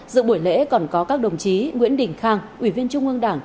dự buổi lễ còn có các đồng chí nguyễn đình khang ủy viên trung ương đảng